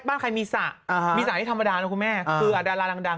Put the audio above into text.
บ้านใครจะมีศาสตร์ที่ธรรมดานะอาดาราดัง